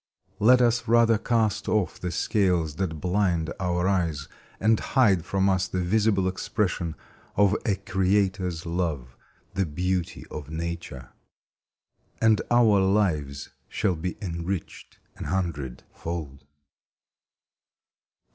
Let us rather cast off the scales that blind our eyes and hide from us the visible expression of a Creator's love, the beauty of Nature. And our lives shall be enriched an hundred fold.